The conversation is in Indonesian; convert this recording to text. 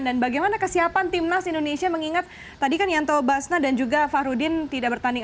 dan bagaimana kesiapan tim nasional indonesia mengingat tadi kan yanto basna dan juga fahrudin tidak bertanding